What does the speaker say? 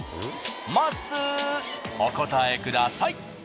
まっすーお答えください。